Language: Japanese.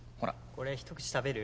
これ一口食べる？